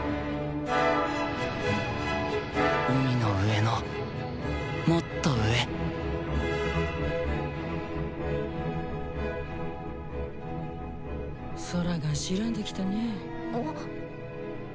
海の上のもっと上空が白んできたね。